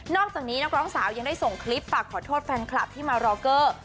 อกจากนี้นักร้องสาวยังได้ส่งคลิปฝากขอโทษแฟนคลับที่มารอเกอร์